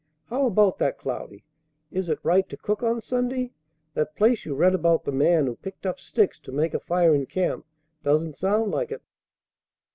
How about that, Cloudy? Is it right to cook on Sunday? That place you read about the man who picked up sticks to make a fire in camp doesn't sound like it."